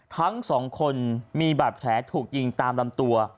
ทั้ง๒คนมีแบบแท้ถูกยิงตามลำตัว